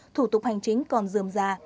thủ tục hành chính còn dườm già